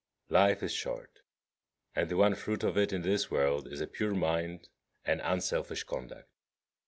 Life is short, and the one fruit of it in this world is a pure mind and unselfish conduct.